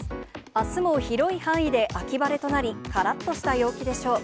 あすも広い範囲で秋晴れとなり、からっとした陽気でしょう。